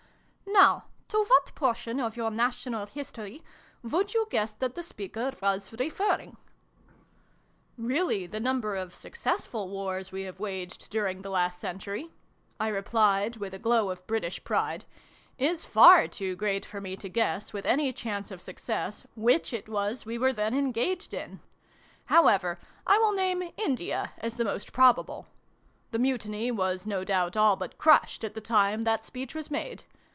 ''" Now to what portion of your national history would you guess that the speaker was referring ?"" Really, the number of successful wars we have waged during the last century," I replied, with a glow of British pride, " is far too great for me to guess, with any chance of success, which it was we were then engaged in. How ever, I will name ' India ' as the most prob able. The Mutiny was no doubt, all but crushed, at the time that speech was made.